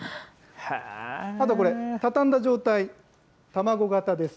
あとこれ、畳んだ状態、卵形です。